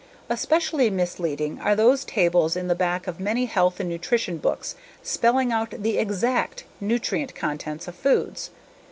Especially misleading are those tables in the back of many health and nutrition books spelling out the "exact" nutrient contents of foods.